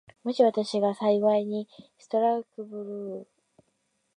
もし私が幸いにストラルドブラグに生れたとすれば、私はまず第一に、大いに努力して金もうけをしようと思います。